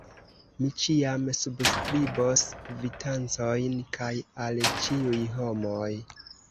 Mi ĉiam subskribos kvitancojn, kaj al ĉiuj homoj.